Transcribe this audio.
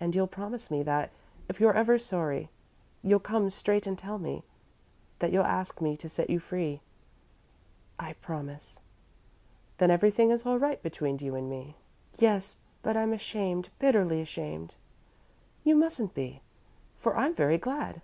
"And you'll promise me that, if you're ever sorry, you'll come straight and tell me that you'll ask me to set you free?" "I promise." "Then everything is all right between you and me?" "Yes, but I'm ashamed bitterly ashamed." "You mustn't be, for I'm very glad.